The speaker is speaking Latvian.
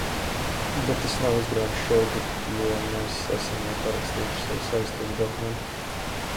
Bet tas nav izdarāms šogad, jo mēs esam jau parakstījuši savu saistību dokumentu.